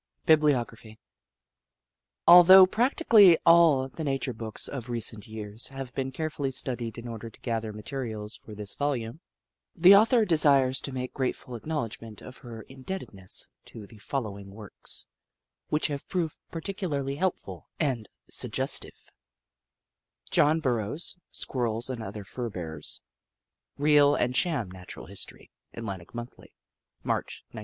^ BIBLIOGRAPHY Although practically all the Nature Books of recent years have been carefully studied in order to gather material for this volume, the author desires to make grateful acknowledgment of her indebtedness to the following works, which have proved particularly helpful and suggestive ; John Burroughs : Squirrels and Other Fur Bearers, "Real and Sham Natural History," Atlantic Monthly ^ March, 1903.